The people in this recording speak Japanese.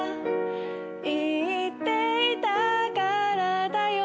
言っていたからだよ